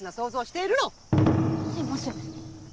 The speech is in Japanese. すいません。